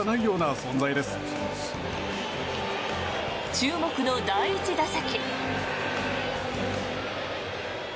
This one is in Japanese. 注目の第１打席。